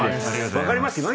分かりますけどね。